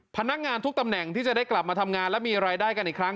พนักงานทุกตำแหน่งที่จะได้กลับมาทำงานและมีรายได้กันอีกครั้ง